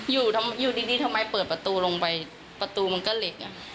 อยู่ดีทำไมเปิดประตูลงไปประตูมันก็เหล็ก